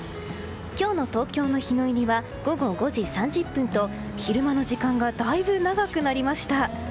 今日の東京の日の入りは午後５時３０分と昼間の時間がだいぶ長くなりました。